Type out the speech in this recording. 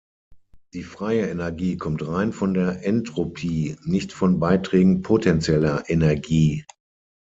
Die freie Energie kommt rein von der Entropie, nicht von Beiträgen potentieller Energie.